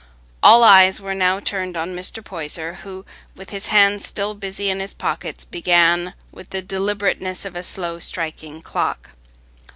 All eyes were now turned on Mr. Poyser, who, with his hands still busy in his pockets, began with the deliberateness of a slow striking clock.